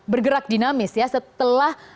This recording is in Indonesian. bergerak dinamis ya setelah